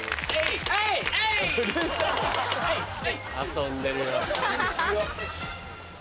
遊んでるよ。